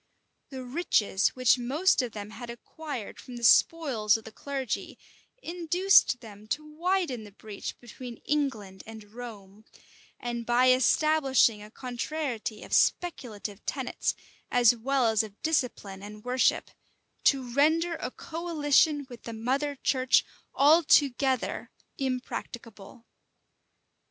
The riches which most of them had acquired from the spoils of the clergy, induced them to widen the breach between England and Rome; and by establishing a contrariety of speculative tenets, as well as of discipline and worship, to render a coalition with the mother church altogether impracticable.